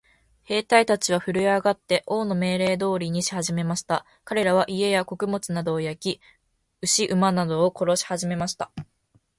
兵隊たちはふるえ上って、王の命令通りにしはじめました。かれらは、家や穀物などを焼き、牛馬などを殺しはじめました。